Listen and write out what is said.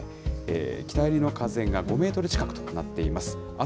北寄りの風が５メートル近くとなっています。